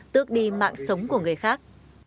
tước đi mạng sống của người khác